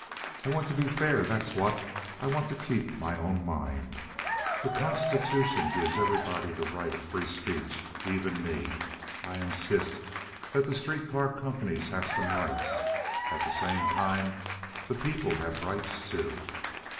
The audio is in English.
"I want to be fair—that's what. I want to keep my own mind. The constitution gives everybody the right of free speech—even me. I insist that the street car companies have some rights; at the same time the people have rights too."